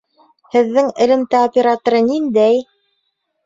Һеҙҙең элемтә операторы ниндәй?